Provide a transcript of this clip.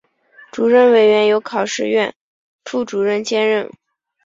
主任委员由考试院副院长兼任。